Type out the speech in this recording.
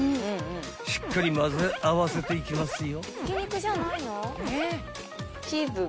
しっかりまぜ合わせていきますよ］